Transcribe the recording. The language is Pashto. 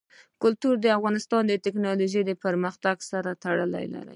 کلتور د افغانستان د تکنالوژۍ پرمختګ سره تړاو لري.